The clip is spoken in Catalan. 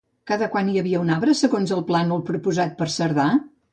Cada quant hi havia un arbre segons el plànol proposat per Cerdà?